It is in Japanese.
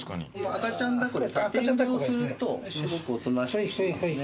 赤ちゃん抱っこで縦揺れをするとすごくおとなしくなりますね。